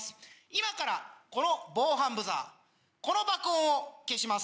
今からこの防犯ブザーこの爆音を消します。